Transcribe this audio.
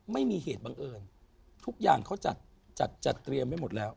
ไม่มีเหตุบังเอิญทุกอย่างเขาจัดจัดเตรียมไว้หมดแล้ว